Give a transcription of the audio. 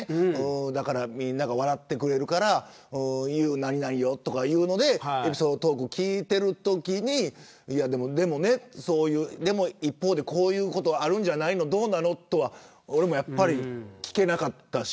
みんなが笑ってくれるからユー何々よ、とかいうのでエピソードトークを聞いてるときに、でも一方でこういうことあるんじゃないのどうなのとは俺もやっぱり聞けなかったし。